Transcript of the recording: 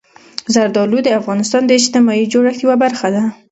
زردالو د افغانستان د اجتماعي جوړښت یوه برخه ده.